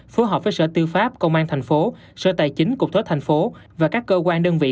phối hợp với sở tư pháp công an thành phố sở tài chính cục thuế thành phố và các cơ quan đơn vị